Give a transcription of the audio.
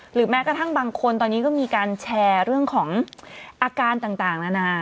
แม้กระทั่งบางคนตอนนี้ก็มีการแชร์เรื่องของอาการต่างนานา